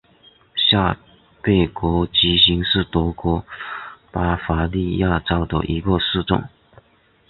下贝格基兴是德国巴伐利亚州的一个市镇。